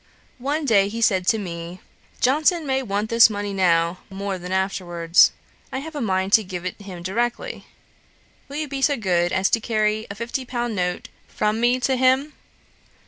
One day he said to me, "Johnson may want this money now, more than afterwards. I have a mind to give it him directly. Will you be so good as to carry a fifty pound note from me to him?"